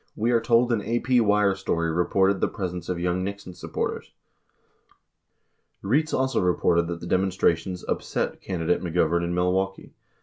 We are told an AP wire story reported the presence of young Nixon supporters. 50 Rietz also reported that the demonstrations "upset" candidate Mc Govern in Milwaukee.